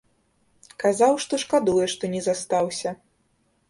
Казаў, што шкадуе, што не застаўся.